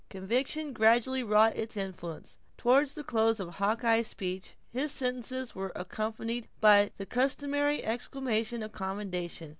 Conviction gradually wrought its influence, and toward the close of Hawkeye's speech, his sentences were accompanied by the customary exclamation of commendation.